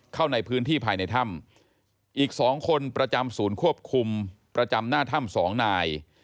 เข้าในพื้นที่ภายในถ้ำอีก๒คนประจำศูนย์ควบคุมประจำหน้าถ้ำสองนาย